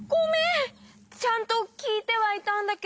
ちゃんときいてはいたんだけど。